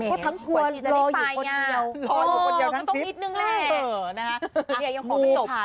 เพราะทั้งทวนรออยู่คนเดียวทั้งทริปอ๋อต้องนิดหนึ่งแหละอ่าเออนะฮะ